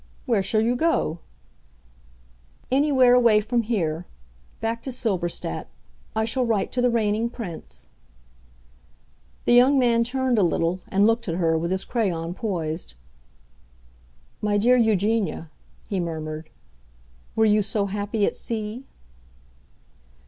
"Where shall you go?" "Anywhere away from here. Back to Silberstadt. I shall write to the Reigning Prince." The young man turned a little and looked at her, with his crayon poised. "My dear Eugenia," he murmured, "were you so happy at sea?"